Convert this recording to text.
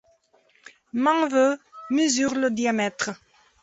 Manwë mesure de diamètre.